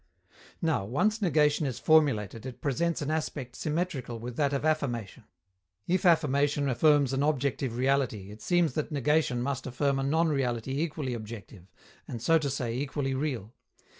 Now, once negation is formulated, it presents an aspect symmetrical with that of affirmation; if affirmation affirms an objective reality, it seems that negation must affirm a non reality equally objective, and, so to say, equally real.